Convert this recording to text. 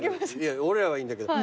俺らはいいんだけど。